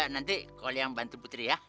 nanti koliang bantu putri ya